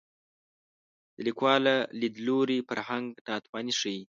د لیکوال له لید لوري فرهنګ ناتواني ښيي